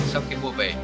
sau khi mua về